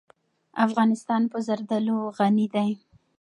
افغانستان په زردالو غني دی.